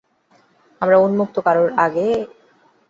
আমরা উন্মুক্ত করার আগে বাথরুমটা একটু পরিষ্কার কোরো।